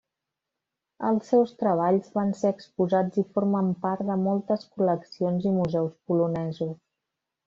Els seus treballs van ser exposats i formen part de moltes col·leccions i museus polonesos.